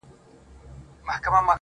اې د هند بُتپرستو سترگورې~